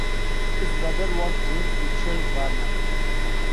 His brother was James Mitchell Varnum.